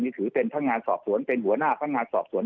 นี่ถือเป็นพนักงานสอบสวนเป็นหัวหน้าพนักงานสอบสวน